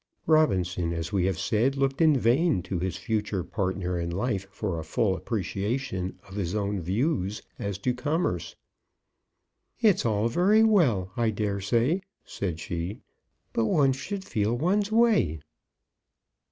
Robinson, as we have said, looked in vain to his future partner in life for a full appreciation of his own views as to commerce. "It's all very well, I daresay," said she; "but one should feel one's way."